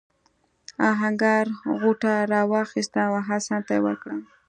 آهنګر غوټه راواخیسته او حسن ته یې ورکړه.